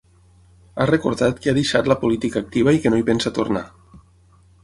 Ha recordat que ha deixat la política activa i que no hi pensa tornar.